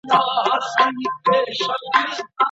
کوم مسایل په ورځني ژوند کي زموږ پر پرمختګ منفي اغېز کوي؟